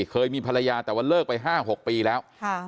เคยมีภรรยาแต่วันเลิกไปห้าหกปีแล้ว